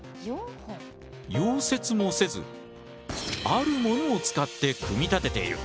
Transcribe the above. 溶接もせずあるものを使って組み立てている。